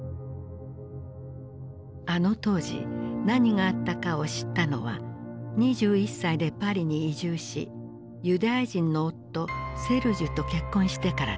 あの当時何があったかを知ったのは２１歳でパリに移住しユダヤ人の夫セルジュと結婚してからだった。